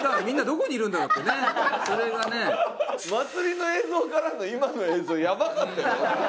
祭りの映像からの今の映像やばかったよ。